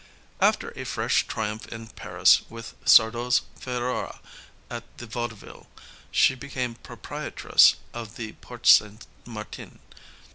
After a fresh triumph in Paris with Sardou's Fédora at the Vaudeville she became proprietress of the Porte St Martin.